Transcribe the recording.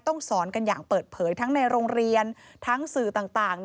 ต้องสอนกันอย่างเปิดเผยทั้งในโรงเรียนทั้งสื่อต่าง